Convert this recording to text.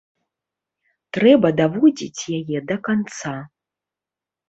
Трэба даводзіць яе да канца.